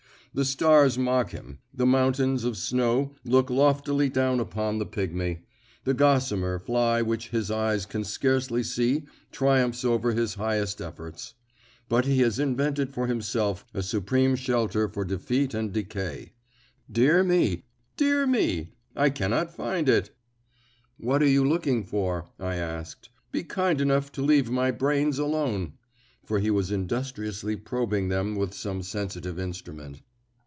The stars mock him; the mountains of snow look loftily down upon the pigmy; the gossamer fly which his eyes can scarcely see triumphs over his highest efforts. But he has invented for himself a supreme shelter for defeat and decay. Dear me, dear me I cannot find it!" "What are you looking for?" I asked. "Be kind enough to leave my brains alone." For he was industriously probing them with some sensitive instrument.